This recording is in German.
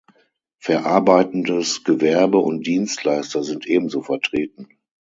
Verarbeitendes Gewerbe und Dienstleister sind ebenso vertreten.